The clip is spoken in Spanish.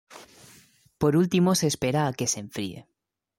Por último se espera a que se enfríe.